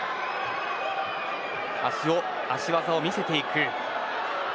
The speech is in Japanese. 足技を見せていく。